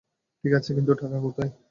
ঠিক আছে, কিন্তু টাকা কোথায়?